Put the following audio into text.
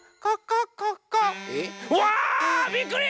うわびっくり！